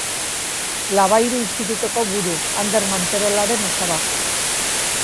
Labayru Institutuko buru Ander Manterolaren osaba.